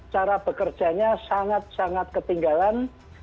cara bekerjanya sangat sangat ketinggalan